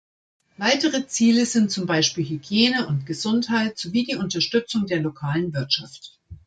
Weitere Ziele sind zum Beispiel Hygiene und Gesundheit sowie die Unterstützung der lokalen Wirtschaft.